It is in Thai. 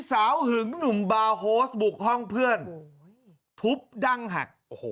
สาวหึงหนุ่มบาร์โฮสบุกห้องเพื่อนทุบดั่งหัก